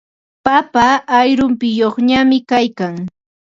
Papa ayrumpiyuqñami kaykan.